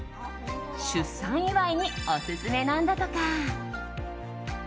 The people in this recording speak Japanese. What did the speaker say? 出産祝いにオススメなんだとか。